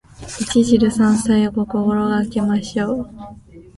一汁三菜を心がけましょう。